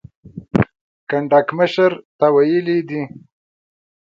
کنډک مشر ته ویلي دي.